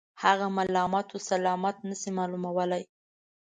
هغه ملامت و سلامت نه شي معلومولای.